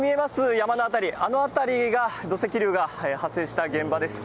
山の辺り、あの辺りが土石流が発生した現場です。